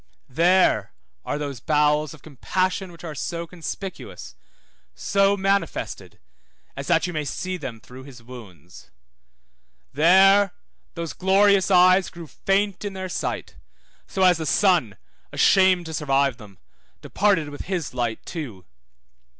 There are those bowels of compassion which are so conspicuous, so manifested, as that you may see them through his wounds. There those glorious eyes grew faint in their sight, so as the sun, ashamed to survive them, departed with his light too.